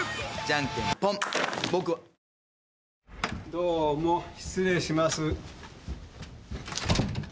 どうも失礼します。